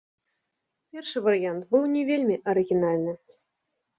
Першы варыянт быў не вельмі арыгінальны.